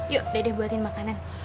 yuk dede buatin makanan